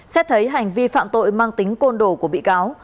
xét thấy hành vi phạm tội mang tính côn đồ của bị cáo